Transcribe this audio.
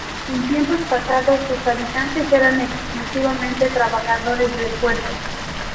En tiempos pasados, sus habitantes eran exclusivamente trabajadores del puerto.